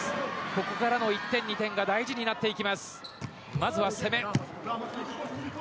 ここからの１点、２点が大事になってきます。